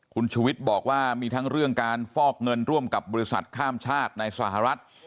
คุณชูวิทย์บอกว่ามีทั้งเรื่องการฟอกเงินร่วมกับบริษัทข้ามชาติในสหรัฐ